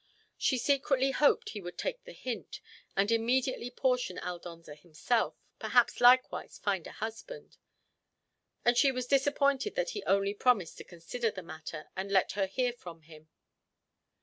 She secretly hoped he would take the hint, and immediately portion Aldonza himself, perhaps likewise find the husband. And she was disappointed that he only promised to consider the matter and let her hear from him.